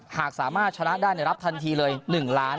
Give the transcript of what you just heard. หากสามารถชนะได้เนี่ยรับทันทีเลยหนึ่งล้าน